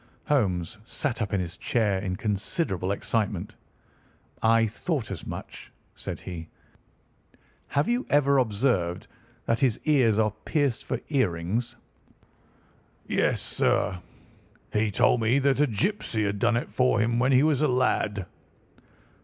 Holmes sat up in his chair in considerable excitement. "I thought as much," said he. "Have you ever observed that his ears are pierced for earrings?" "Yes, sir. He told me that a gipsy had done it for him when he was a lad."